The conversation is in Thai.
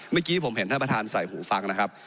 เมื่อกี้ผมเห็นท่านประธานใส่หูฟังนะครับ